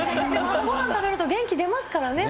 朝ごはん食べると元気出ますからね。